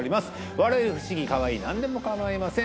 笑える不思議カワイイ何でもかまいません